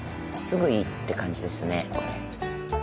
ぐいいって感じですねこれ。